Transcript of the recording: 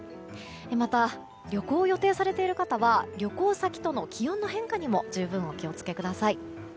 また、旅行を予定されている方は旅行先との気温の変化にも十分お気を付けください。